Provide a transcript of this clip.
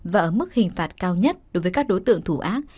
và ở mức hình phạt cao nhất đối với các đối tượng thủ ác